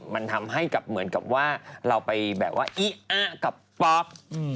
มันทำให้กับเหมือนกับว่าเราไปแบบว่าอีอะกับป๊อก